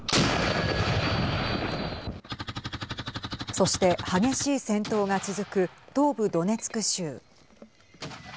そして、激しい戦闘が続く東部ドネツク州。